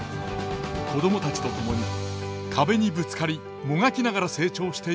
子供たちと共に壁にぶつかりもがきながら成長していく学園ドラマ。